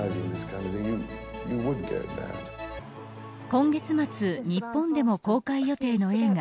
今月末、日本でも公開予定の映画